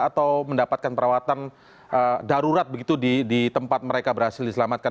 atau mendapatkan perawatan darurat begitu di tempat mereka berhasil diselamatkan